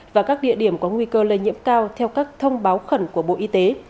và các địa điểm có nguy cơ lây nhiễm cao theo các thông báo khẩn của bộ y tế